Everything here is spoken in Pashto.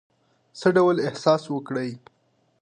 څه ډول احساس وکړی.